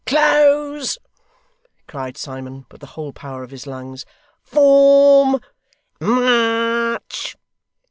'Close!' cried Simon, with the whole power of his lungs. 'Form! March!